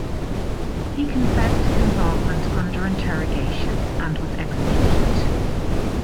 He confessed his involvement under interrogation and was executed.